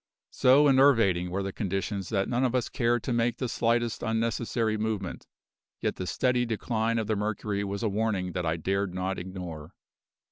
So enervating were the conditions that none of us cared to make the slightest unnecessary movement; yet the steady decline of the mercury was a warning that I dared not ignore.